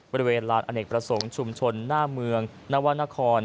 บริเวณลานอเนกประสงค์ชุมชนหน้าเมืองนวรรณคร